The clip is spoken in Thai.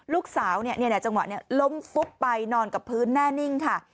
ลูกสาวจังหวะนี้ล้มฟุบไปนอนกับพื้นแน่นิ่งค่ะ